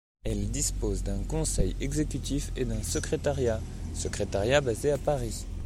Elle dispose d'un conseil exécutif et d'un secrétariat, secrétariat basé à Paris.